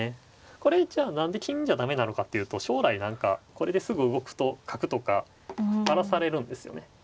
これじゃあ何で金じゃ駄目なのかっていうと将来何かこれですぐ動くと角とか荒らされるんですよね。